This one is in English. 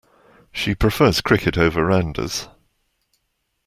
She prefers cricket over rounders.